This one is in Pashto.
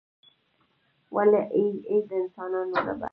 ولې ای ای د انسانانو ربه.